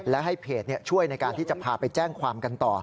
และให้เพจช่วยในการที่จะพาไปแจ้งความกันต่อ